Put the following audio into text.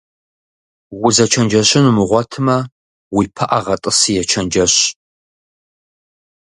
Узэчэнджэщын умыгъуэтмэ, уи пыӀэ гъэтӏыси ечэнджэщ.